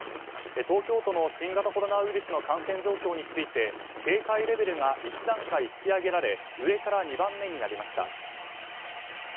東京の新型コロナウイルスの感染状況について警戒レベルが１段階引き上げられ上から２番目になりました。